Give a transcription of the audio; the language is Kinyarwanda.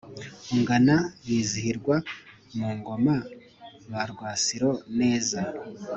ungana bizihirwa mu ngoma ba rwasiro neza